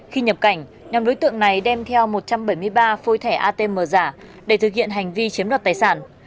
khi nhập cảnh nhóm đối tượng này đem theo một trăm bảy mươi ba phôi thẻ atm giả để thực hiện hành vi chiếm đoạt tài sản